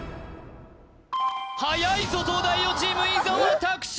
はやいぞ東大王チーム伊沢拓司